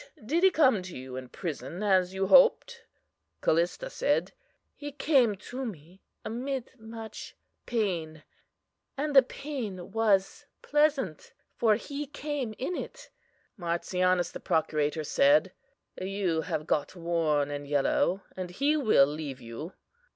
did he come to you in prison, as you hoped? "CALLISTA said: He came to me amid much pain; and the pain was pleasant, for He came in it. "MARTIANUS, the procurator, said: You have got worn and yellow, and he will leave you.